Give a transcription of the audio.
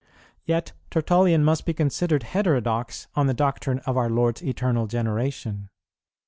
"[19:1] Yet Tertullian must be considered heterodox on the doctrine of our Lord's eternal generation.